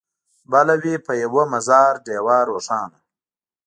بله وي په یوه مزار ډېوه روښانه